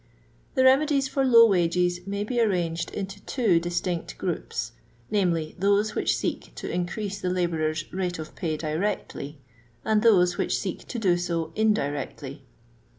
The remedies for low wages may be arranged into two distinct groups, viz., those which seek to increase the kbourer's rate of pay directly, and those which seek to do so indirectly.